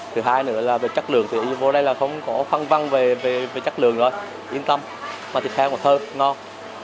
thứ hai nữa là về chất lượng thì vô đây là không có phân văn về chất lượng rồi yên tâm mà thịt heo còn thơm ngon